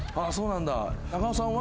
中尾さんは？